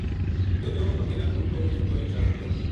یوجنو بکریاں نا ڈھونڈتو ڈھونڈتو ایک جا ما گیو